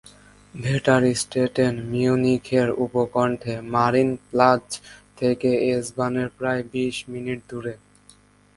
ভেটারস্টেটেন মিউনিখের উপকণ্ঠে, মারিনপ্লাৎজ থেকে এস-বানের প্রায় বিশ মিনিট দূরে।